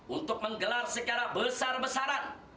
untuk menggelar secara besar besaran